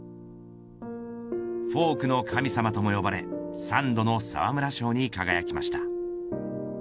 フォークの神様とも呼ばれ３度の沢村賞に輝きました。